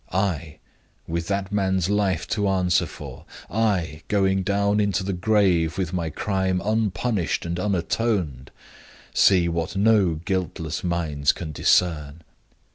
I with that man's life to answer for I, going down into my grave, with my crime unpunished and unatoned, see what no guiltless minds can discern.